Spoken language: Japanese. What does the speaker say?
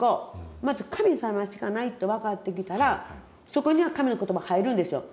まず神様しかないと分かってきたらそこには神の言葉入るんですよ。